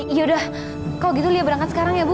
yaudah kalau gitu lia berangkat sekarang ya bu